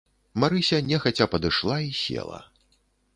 Марыся нехаця падышла і села.